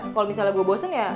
kalo misalnya gua bosen ya